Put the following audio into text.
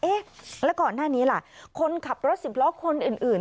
เอ๊ะแล้วก่อนหน้านี้ล่ะคนขับรถสิบล้อคนอื่น